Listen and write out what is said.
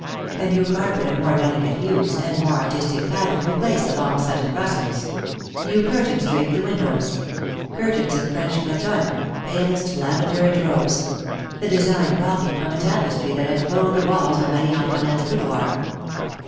A new carpet of more delicate hues and more artistic pattern replaced the Long Sutton Brussels; new cur tains draped the windows — curtains of French cretonne, palest lavender and rose ; the design copied from a tapestry that had clothed the walls of Marie Antoinette's boudoir.